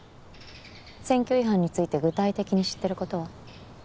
選挙違反について具体的に知ってることは？